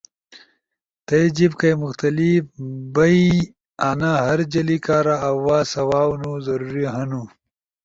تھئی جیِب کئی مختلف بئیانا ہر جلی کارا آواز سواؤنو ضروری ہنو۔